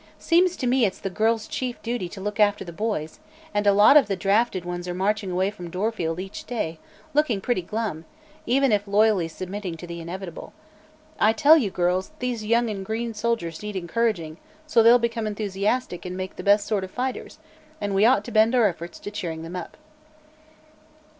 "Seems to me it's the girls' chief duty to look after the boys, and a lot of the drafted ones are marching away from Dorfield each day, looking pretty glum, even if loyally submitting to the inevitable. I tell you, girls, these young and green soldiers need encouraging, so they'll become enthusiastic and make the best sort of fighters, and we ought to bend our efforts to cheering them up."